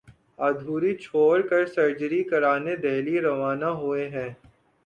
ادھوری چھوڑ کر سرجری کرانے دہلی روانہ ہوئے ہیں